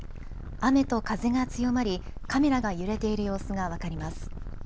雨と風が強まり、カメラが揺れている様子が分かります。